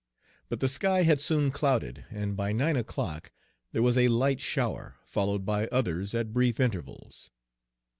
But the sky had soon clouded, and by nine o'clock there was a light shower, followed by others at brief intervals.